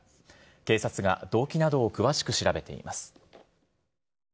警察が動機などを詳しく調べています。